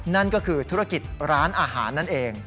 นั่นก็คือธุรกิจร้านอาหารนั่นเอง